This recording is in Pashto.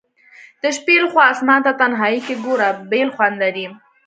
د شپي لخوا آسمان ته تنهائي کي ګوره بیل خوند لري